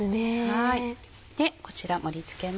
はい。